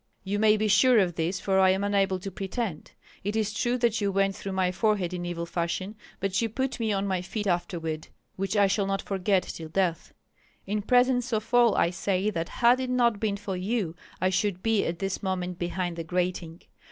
You may be sure of this, for I am unable to pretend. It is true that you went through my forehead in evil fashion, but you put me on my feet afterward, which I shall not forget till death. In presence of all, I say that had it not been for you I should be at this moment behind the grating.